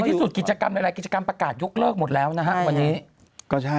ที่สุดกิจกรรมอะไรกิจกรรมประกาศยกเลิกหมดแล้วนะคะ